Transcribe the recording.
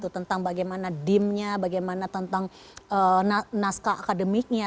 tentang bagaimana dimnya bagaimana tentang naskah akademiknya